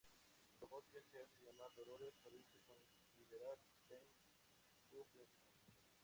El Robot, que se hace llamar Dolores, parece considerar James, su príncipe.